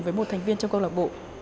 với một thành viên trong câu lạc bộ